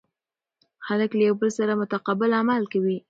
خلک له یو بل سره متقابل عمل کوي.